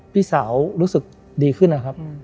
พี่สาวรู้สึกดีขึ้นนะครับ